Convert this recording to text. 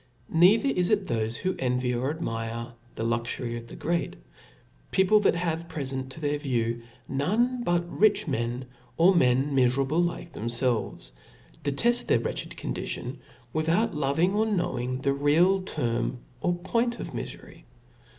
Neither is it thofe who envy or 2idmire the luxury of the great ; people that have» prefent to their view none but rich men, or men miferable like themfelves, deteft their wretched condition, without loving or knowing the real term or point of mifery.